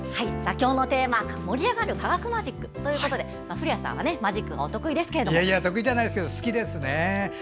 今日のテーマは盛り上がる科学マジックということで古谷さんはいやいや得意じゃないですけど好きですね。